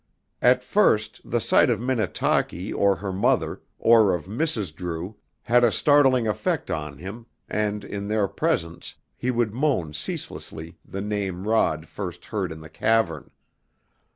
At first the sight of Minnetaki or her mother, or of Mrs. Drew, had a startling effect on him and in their presence he would moan ceaselessly the name Rod first heard in the cavern.